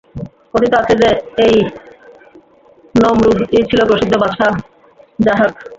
কথিত আছে যে, এই নমরূদই ছিল প্রসিদ্ধ বাদশাহ যাহ্হাক।